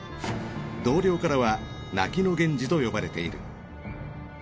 同僚からは泣きの源次と呼ばれている。